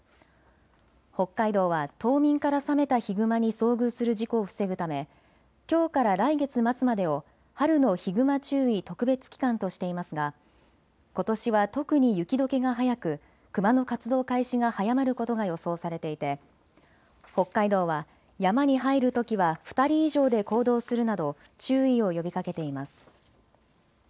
北海道は冬眠から覚めたヒグマに遭遇する事故を防ぐため、きょうから来月末までを春のヒグマ注意特別期間としていますがことしは特に雪どけが早くクマの活動開始が早まることが予想されていて北海道は山に入るときは２人以上で行動するなど注意を呼びかけています。